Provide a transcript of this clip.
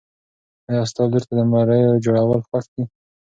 ایا ستا لور ته د مریو جوړول خوښ دي؟